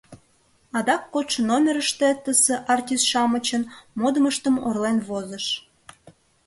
Адак кодшо номерыште Т.С. артист-шамычын модмыштым орлен возыш.